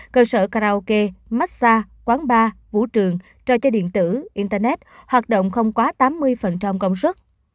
cơ sở karaoke massage quán bar vũ trường trò chơi điện tử internet hoạt động không quá tám mươi công sức